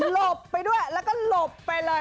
รพไปด้วยแล้วก็รพไปเลย